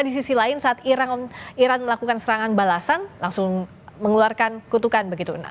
di sisi lain saat iran melakukan serangan balasan langsung mengeluarkan kutukan begitu